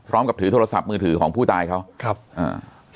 พร้อมกับถือโทรศัพท์มือถือของผู้ตายเขาครับอ่า